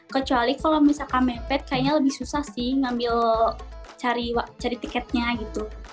kecuali kalau misalkan mepet kayaknya lebih susah sih ngambil cari tiketnya gitu